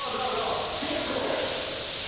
結構。